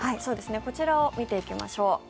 こちらを見ていきましょう。